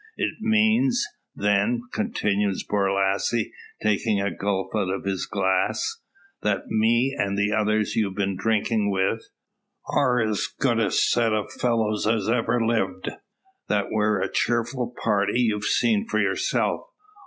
"It means, then," continues Borlasse, taking a gulp out of his glass, "that me, an' the others you've been drinking with, air as good a set of fellows as ever lived. That we're a cheerful party, you've seen for yourself.